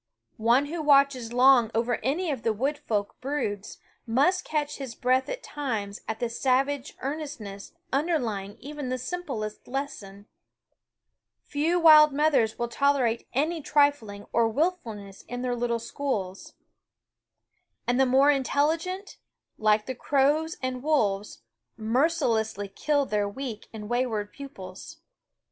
One who watches long over any of the wood folk broods must catch his breath at times at the savage earnestness underlying even the simplest lesson. Few wild mothers will tolerate any trifling or will fulness in their little schools ; and the more 17 On ffieh&y fo School ft n /ft* ^ SCHOOL Of intelligent, like the crows and wolves, merci ^ ess ty kill their weak and wayward pupils.